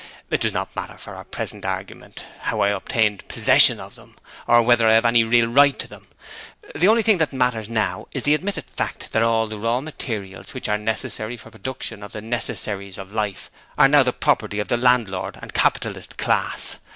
It does not matter for our present argument how I obtained possession of them, or whether I have any real right to them; the only thing that matters now is the admitted fact that all the raw materials which are necessary for the production of the necessaries of life are now the property of the Landlord and Capitalist class.